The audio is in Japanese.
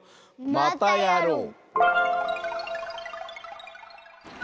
またやろう！